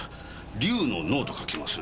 龍の脳と書きます。